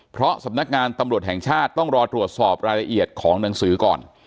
เพราะสำนักงานตำรวจแห่งชาติต้องรอตรวจสอบรายละเอียดของหนังสือก่อน